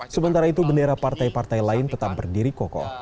sementara itu bendera partai partai lain tetap berdiri kokoh